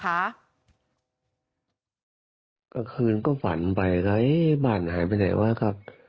กลางคืนก็ฝันไปก็เอ๊ะบ้านหายไปไหนวะครับ